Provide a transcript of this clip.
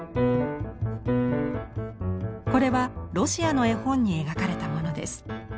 これはロシアの絵本に描かれたものです。